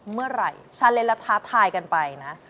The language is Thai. เมื่อไหร่ชาเล่นแล้วท้าทายกันไปนะ